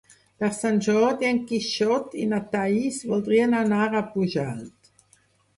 Per Sant Jordi en Quixot i na Thaís voldrien anar a Pujalt.